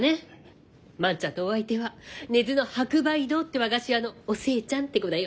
万ちゃんのお相手は根津の白梅堂って和菓子屋のお寿恵ちゃんって子だよ。